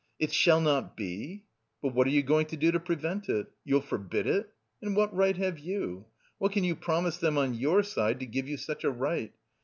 "It shall not be? But what are you going to do to prevent it? You'll forbid it? And what right have you? What can you promise them on your side to give you such a right?